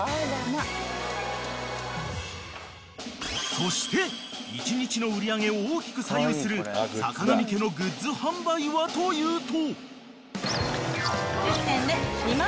［そして１日の売り上げを大きく左右するさかがみ家のグッズ販売はというと］